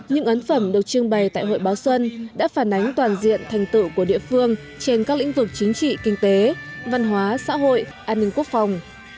những ấn phẩm được trưng bày tại hội báo xuân đã phản ánh toàn diện thành tựu của địa phương trên các lĩnh vực chính trị kinh tế văn hóa xã hội an ninh quốc phòng